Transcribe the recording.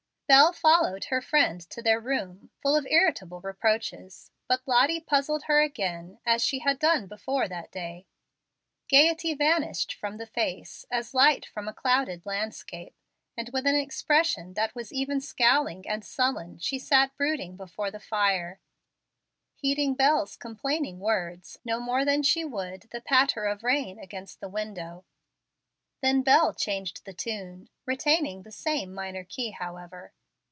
Bel followed her friend to their room, full of irritable reproaches. But Lottie puzzled her again, as she had done before that day. Gayety vanished from the face as light from a clouded landscape, and with an expression that was even scowling and sullen she sat brooding before the fire, heeding Bel's complaining words no more than she would the patter of rain against the window. Then Bel changed the tune; retaining the same minor key, however.